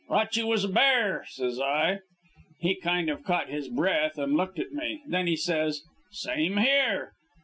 "'Thought you was a bear,' says I. "He kind of caught his breath and looked at me. Then he says, 'Same here.'